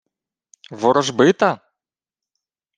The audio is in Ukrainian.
— Ворожбита?